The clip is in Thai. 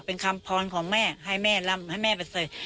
เป็นคำพรของแม่ให้แม่ลำให้แม่ไปเสย